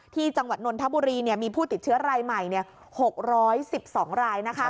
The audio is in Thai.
จังหวัดนนทบุรีมีผู้ติดเชื้อรายใหม่๖๑๒ราย